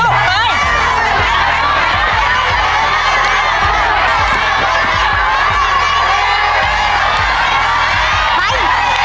ไป